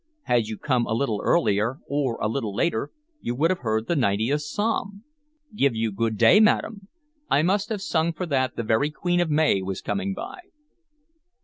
Had you come a little earlier or a little later, you would have heard the ninetieth psalm. Give you good day madam. I must have sung for that the very queen of May was coming by."